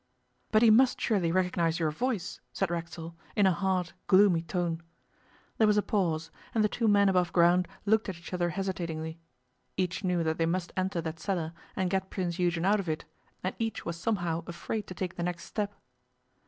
'But he must surely recognize your voice,' said Racksole, in a hard, gloomy tone. There was a pause, and the two men above ground looked at each other hesitatingly. Each knew that they must enter that cellar and get Prince Eugen out of it, and each was somehow afraid to take the next step.